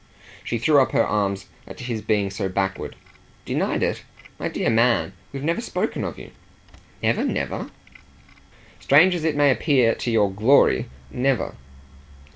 She threw up her arms at his being so backward. "'Denied it'? My dear man, we've never spoken of you." "Never, never?" "Strange as it may appear to your glory never."